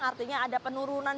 artinya ada penurunan